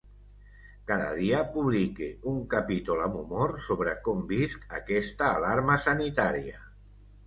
Cada dia publique un capítol amb humor sobre com visc aquesta alarma sanitària.